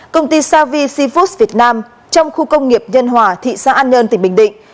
công ty savi sifus việt nam trong khu công nghiệp nhân hòa thị xã an nhân tỉnh bình định